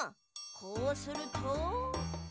こうすると。